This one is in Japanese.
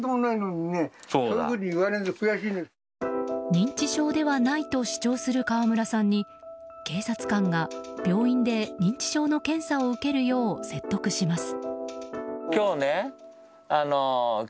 認知症ではないと主張する川村さんに警察官が、病院で認知症の検査を受けるよう説得します。